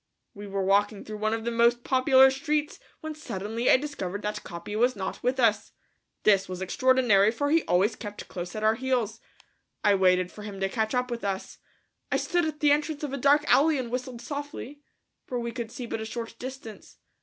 We were walking through one of the most popular streets when suddenly I discovered that Capi was not with us. This was extraordinary, for he always kept close at our heels. I waited for him to catch up with us. I stood at the entrance of a dark alley and whistled softly, for we could see but a short distance.